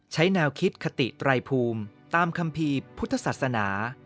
ใช้แนวคิดคติไตรภูมิตามคัมภีร์พุทธศาสนา